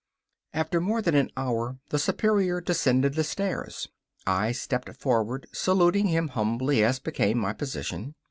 After more than an hour the Superior descended the stairs. I stepped forward, saluting him humbly, as became my position.